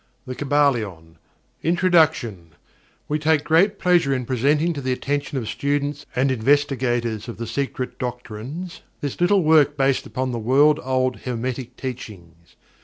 Hermetic Axioms INTRODUCTION We take great pleasure in presenting to the attention of students and investigators of the Secret Doctrines this little work based upon the world old Hermetic Teachings.